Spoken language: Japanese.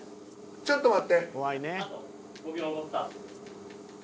ちょっと待って。